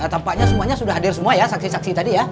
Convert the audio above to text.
tampaknya semuanya sudah hadir semua ya saksi saksi tadi ya